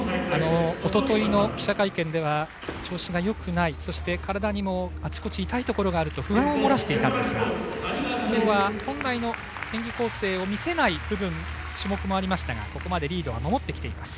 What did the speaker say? おとといの記者会見では調子がよくないそして体にもあちこち痛いところがあると不安をもらしていたんですが今日は本来の演技構成を見せない種目もありましたがここまでリードは守っています。